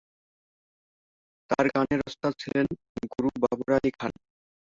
তাঁর গানের ওস্তাদ ছিলেন গুরু বাবর আলী খান।